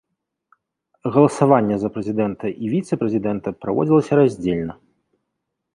Галасаванне за прэзідэнта і віцэ-прэзідэнта праводзілася раздзельна.